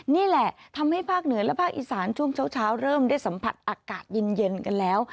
นี่แหละทำให้ภาคเหนือและภาคอีสานช่วงเช้าเริ่มได้สัมผัสอากาศเย็นกันแล้ว